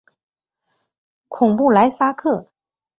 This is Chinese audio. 孔布莱萨克。